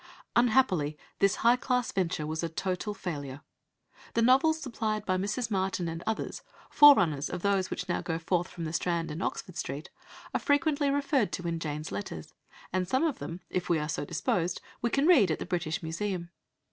Unhappily, this "high class" venture was a total failure. The novels supplied by "Mrs. Martin" and others, forerunners of those which now go forth from the Strand and Oxford Street, are frequently referred to in Jane's letters, and some of them, if we are so disposed, we can read at the British Museum.